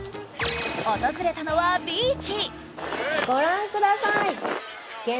訪れたのはビーチ。